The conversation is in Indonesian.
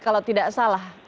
kalau tidak salah